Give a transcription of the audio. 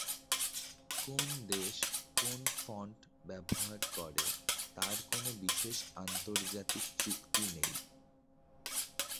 কোন দেশ কোন ফন্ট ব্যবহার করে তার কোন বিশেষ আন্তর্জাতিক চুক্তি নেই।